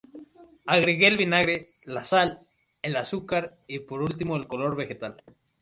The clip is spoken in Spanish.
Agregue el vinagre, la sal, el azúcar y por último el color vegetal.